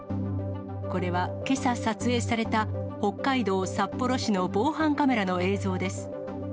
これはけさ撮影された、北海道札幌市の防犯カメラの映像です。